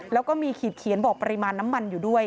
แล้วก็มีขีดเขียนบอกปริมาณน้ำมันอยู่ด้วย